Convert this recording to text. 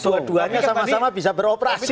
dua duanya sama sama bisa beroperasi